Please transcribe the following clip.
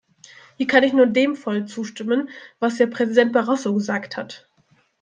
Hier kann ich nur dem voll zustimmen, was Herr Präsident Barroso gesagt hat.